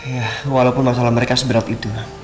ya walaupun masalah mereka seberat itu